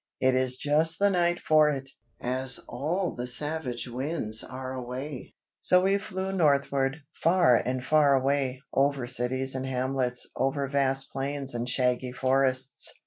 "It is just the night for it, as all the savage Winds are away." So we flew northward, far and far away, over cities and hamlets, over vast plains and shaggy forests.